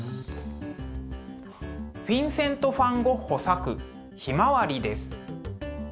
フィンセント・ファン・ゴッホ作「ひまわり」です。